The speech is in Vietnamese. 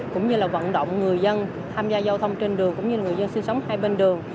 cũng như là vận động người dân tham gia giao thông trên đường cũng như người dân sinh sống hai bên đường